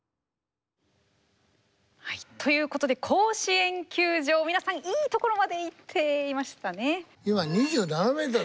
はいということで甲子園球場皆さんいいところまでいっていましたね。